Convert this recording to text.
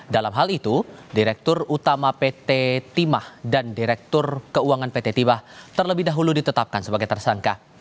dalam hal itu direktur utama pt timah dan direktur keuangan pt tibah terlebih dahulu ditetapkan sebagai tersangka